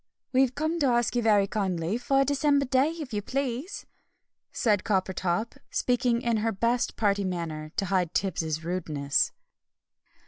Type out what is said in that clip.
"We've come to ask you very kindly for a December day, if you please," said Coppertop, speaking in her best party manner, to hide Tibbs' rudeness.